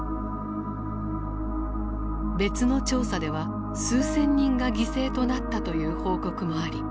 別の調査では数千人が犠牲となったという報告もあり